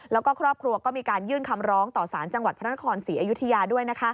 แล้วก็ครอบครัวก็มีการยื่นคำร้องต่อสารจังหวัดพระนครศรีอยุธยาด้วย